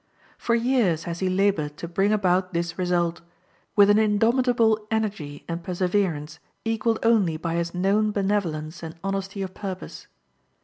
For years has he labored to bring about this result, with an indomitable energy and perseverance equaled only by his known benevolence and honesty of purpose.